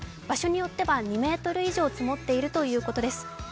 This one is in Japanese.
場所によっては２ｍ以上積もっているということです。